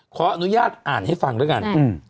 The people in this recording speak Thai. ขออนุญาตอ่านให้ฟังด้วยกัน